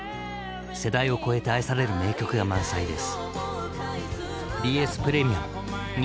世代を超えて愛される名曲が満載です。